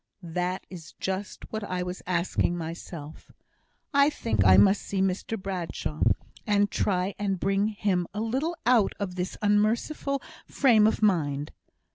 "That is just what I was asking myself. I think I must see Mr Bradshaw, and try and bring him a little out of this unmerciful frame of mind.